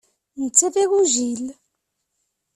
Netta d agujil.